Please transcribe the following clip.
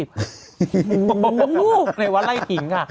บอกว่าลูกในวัดไล่ขิงค่ะ